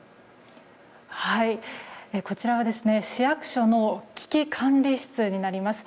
こちらは市役所の危機管理室になります。